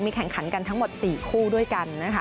แข่งขันกันทั้งหมด๔คู่ด้วยกันนะคะ